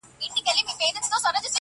ور په یاد یې د دوږخ کړل عذابونه-